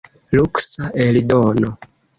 Luksa eldono.